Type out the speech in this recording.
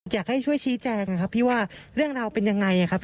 อยากให้ช่วยชี้แจงนะครับพี่ว่าเรื่องราวเป็นยังไงครับ